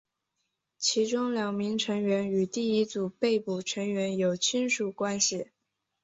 其中两名成员与第一组被捕成员有亲属关系。